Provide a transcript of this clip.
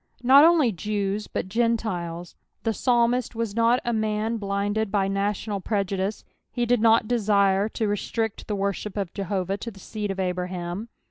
Not only Jews, but Gentiles. The psalmist was not a man blinded by national prejudice, he did not desire to restrict the worship of Jehovah to the seed of Abraham.